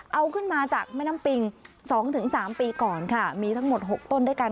เอาขึ้นมาจากแม่น้ำปิง๒๓ปีก่อนค่ะมีทั้งหมด๖ต้นด้วยกัน